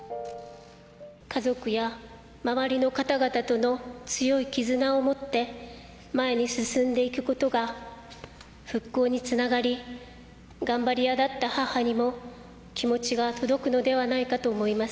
家族や周りの方々との強い絆を持って、前に進んでいくことが復興につながり、頑張り屋だった母にも気持ちが届くのではないかと思います。